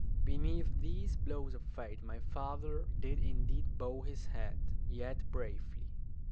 Beneath these blows of fate my father did indeed bow his head, yet bravely.